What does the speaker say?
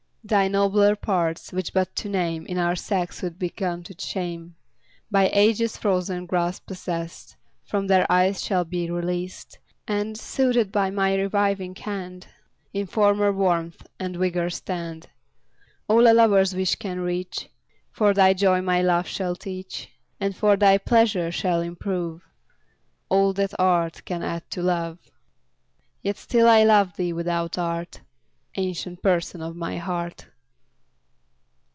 Thy nobler parts, which but to name In our sex would be counted shame, By ages frozen grasp possest, From their ice shall be released, And, soothed by my reviving hand, In former warmth and vigour stand. All a lover's wish can reach, For thy joy my love shall teach; And for thy pleasure shall improve All that art can add to love. Yet still I love thee without art, Ancient Person of my heart.